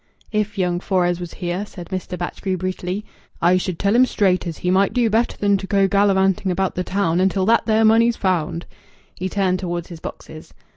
"If young Fores was here," said Mr. Batchgrew brutally, "I should tell him straight as he might do better than to go gallivanting about the town until that there money's found." He turned towards his boxes.